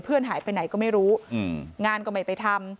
หายไปไหนก็ไม่รู้งานก็ไม่ไปทำ